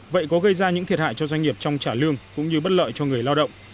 vậy có gây ra những thiệt hại cho doanh nghiệp trong trả lương cũng như bất lợi cho người lao động